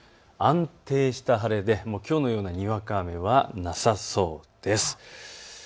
安定した晴れできょうのようなにわか雨はなさそうです。